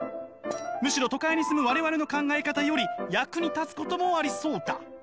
むしろ都会に住む我々の考え方より役に立つこともありそうだ」。